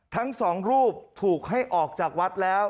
ทั้งสองรูปถูกให้ออกจากวัดแล้ว